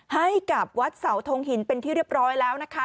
ให้กับวัดเสาทงหินเป็นที่เรียบร้อยแล้วนะคะ